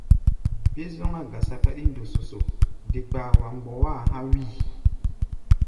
Be-zɔ́ŋáʼɛ gasa káɗí ndɔsɔsɔ, de kpaa wa mgbɔá a̧ há̧ wíi.